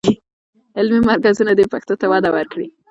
علمي مرکزونه دې پښتو ته وده ورکړي.